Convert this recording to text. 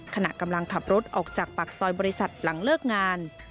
ขณะกำลังขับรถออกจากปากซอยบริษัทหลังเลิกงาน